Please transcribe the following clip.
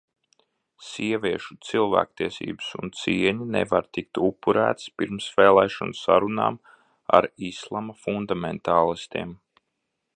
Sieviešu cilvēktiesības un cieņa nevar tikt upurētas pirmsvēlēšanu sarunām ar islama fundamentālistiem.